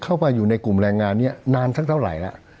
เข้าไปอยู่ในกลุ่มแรงงานนี้นานสักเท่าไหร่แล้ว